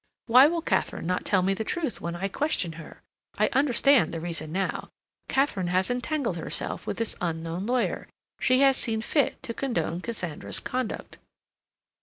Why will Katharine not tell me the truth when I question her? I understand the reason now. Katharine has entangled herself with this unknown lawyer; she has seen fit to condone Cassandra's conduct."